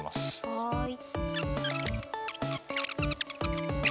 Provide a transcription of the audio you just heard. はい。